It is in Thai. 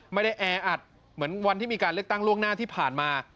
แออัดเหมือนวันที่มีการเลือกตั้งล่วงหน้าที่ผ่านมา